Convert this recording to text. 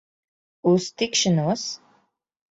Uz tikšanos!